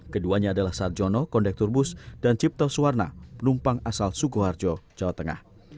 keduanya adalah sarjono kondektor bus dan cipta suwarno penumpang asal sukoharjo jawa tengah